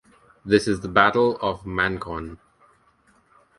This is the Battle of Mankon.